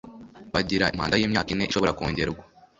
bagira manda y imyaka ine ishobora kongerwa